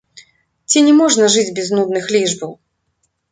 Ці не можна жыць без нудных лічбаў?